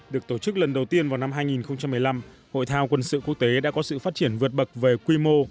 được tổ chức lần đầu tiên vào năm hai nghìn một mươi năm hội thao quân sự quốc tế đã có sự phát triển vượt bậc về quy mô